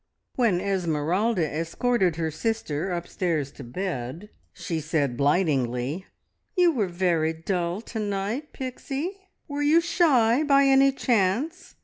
When Esmeralda escorted her sister upstairs to bed she said blightingly, "You were very dull to night, Pixie. Were you shy, by any chance?